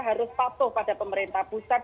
harus patuh pada pemerintah pusat